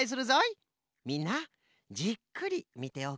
みんなじっくりみておくれ。